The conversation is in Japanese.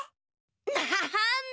なんだ。